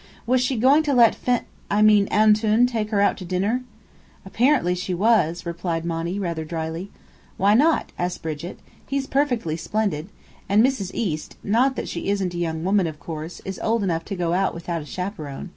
"Was she going to let Fe I mean 'Antoun,' take her out to dinner?" "Apparently she was," replied Monny, rather dryly. "Why not?" asked Brigit. "He's perfectly splendid. And Mrs. East not that she isn't a young woman, of course is old enough to go about without a chaperon."